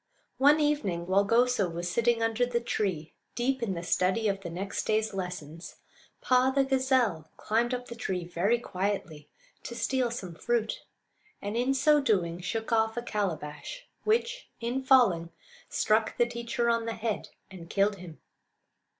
One evening, while Goso was sitting under the tree deep in the study of the next day's lessons, Paa, the gazelle, climbed up the tree very quietly to steal some fruit, and in so doing shook off a calabash, which, in falling, struck the teacher on the head and killed him.